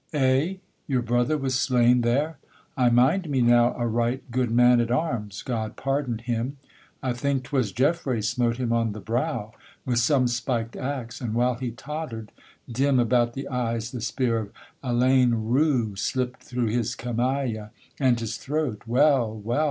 Eh? Your brother was slain there? I mind me now, A right good man at arms, God pardon him! I think 'twas Geffray smote him on the brow With some spiked axe, and while he totter'd, dim About the eyes, the spear of Alleyne Roux Slipped through his camaille and his throat; well, well!